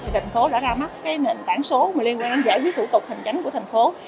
thành phố đã ra mắt nền tảng số liên quan giải quyết thủ tục hành tránh của thành phố